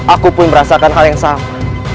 aku pun merasakan hal yang sama